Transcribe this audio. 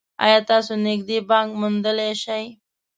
ایا تاسو نږدې بانک موندلی شئ؟